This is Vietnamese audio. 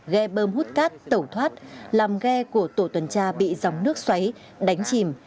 ghe bơm hút cát tẩu thoát làm ghe của tổ tuần tra bị dòng nước xoáy đánh chìm